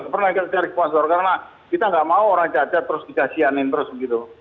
pernah kita cari sponsor karena kita nggak mau orang cacat terus dikasihanin terus begitu